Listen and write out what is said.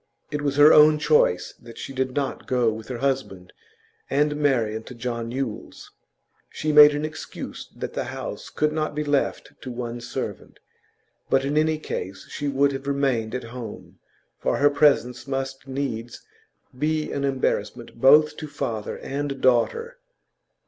It was her own choice that she did not go with her husband and Marian to John Yule's. She made an excuse that the house could not be left to one servant; but in any case she would have remained at home, for her presence must needs be an embarrassment both to father and daughter.